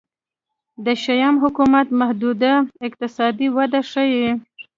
د شیام حکومت محدوده اقتصادي وده ښيي.